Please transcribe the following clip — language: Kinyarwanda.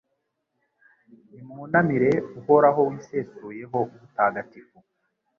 nimwunamire Uhoraho wisesuyeho ubutagatifu